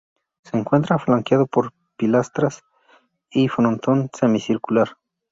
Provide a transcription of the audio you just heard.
Se encuentra flanqueado por pilastras y frontón semicircular.